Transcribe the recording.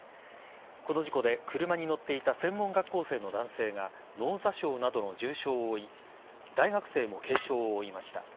この事故で車に乗っていた専門学校生の男性が脳挫傷などの重傷を負い大学生も軽傷を負いました。